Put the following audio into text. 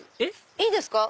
いいですか？